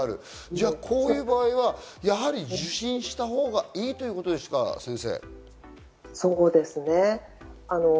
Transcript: じゃあこういう場合はやはり受診したほうがいいというそうですね。